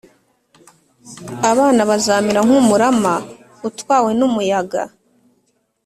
abana bazamera nk’umurama utwawe n’umuyaga,